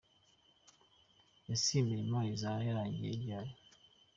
Ese iyi mirimo izaba yarangiye ryari?.